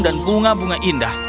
dan bunga bunga indah